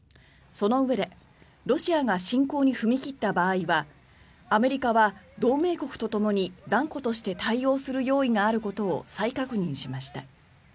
そのうえでロシアが侵攻に踏み切った場合はアメリカは同盟国とともに断固として対応する用意があることを再確認しました。